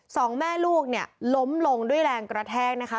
สองแม่ลูกเนี่ยล้มลงด้วยแรงกระแทกนะคะ